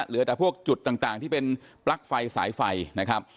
เหลือแต่พวกจุดต่างที่เป็นปลั๊กไฟสายไฟนะครับ